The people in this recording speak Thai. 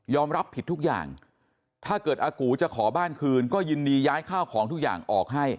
รับผิดทุกอย่างถ้าเกิดอากูจะขอบ้านคืนก็ยินดีย้ายข้าวของทุกอย่างออกให้